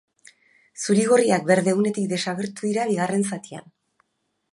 Zuri-gorriak berdegunetik desagertu dira bigarren zatian.